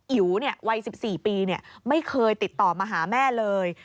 อยู่เนี่ยวัย๑๔ปีเนี่ยไม่เคยติดต่อมาหาแม่เลย